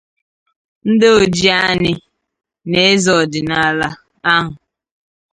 ndị Ojianị na eze ọdịnala ahụ